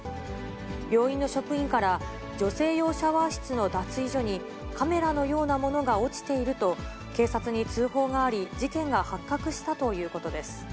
病院の職員から、女性用シャワー室の脱衣所にカメラのようなものが落ちていると警察に通報があり、事件が発覚したということです。